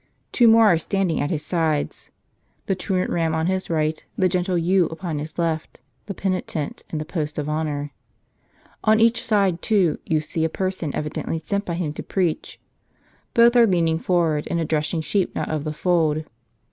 Two more are standing at His sides ; the truant ram on His right, the gentle ewe upon His left ; the penitent in the post of honor. On each side too, you see a person evidently sent by Him to preach. Both are leaning forward, and Addressing sheep not of the fold.